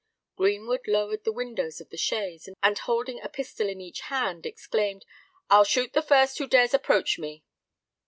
Greenwood lowered the windows of the chaise, and holding a pistol in each hand, exclaimed, "I'll shoot the first who dares approach me!"